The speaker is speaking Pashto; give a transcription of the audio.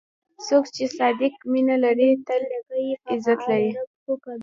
څوک چې صادق مینه لري، تل عزت لري.